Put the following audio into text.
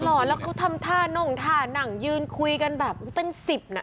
ห่อแล้วเขาทำท่านงงท่านั่งยืนคุยกันแบบเป็นสิบน่ะ